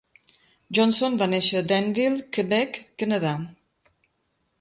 Johnson va néixer a Danville, Quebec, Canadà.